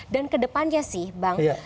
dan ke depannya sih bang